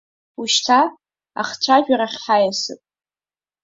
Уажәшьҭа ахцәажәарахь ҳаиасып.